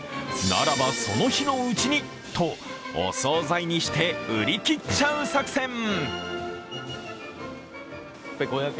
ならばその日のうちにと、お総菜にして売り切っちゃう作戦。